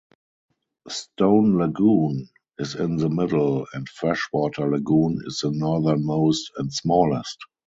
Stone Lagoon is in the middle, and Freshwater Lagoon is the northernmost and smallest.